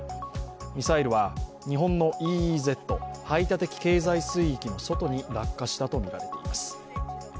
ミサイルは日本のＥＥＺ＝排他的経済水域の外に落下したとみられています。